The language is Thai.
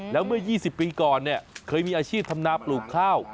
แล้วเมื่อ๒๐ปีก่อนเนี่ยเคยมีอาชีพทำนาปลูกข้าว